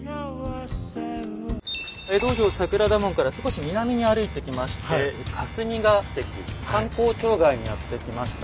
江戸城桜田門から少し南に歩いてきまして霞が関官公庁街にやって来ました。